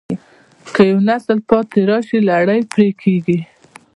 که یو نسل پاتې راشي، لړۍ پرې کېږي.